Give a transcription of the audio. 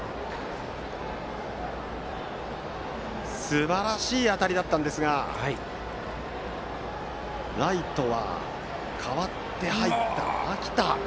すばらしい当たりだったんですがライトは代わって入った秋田。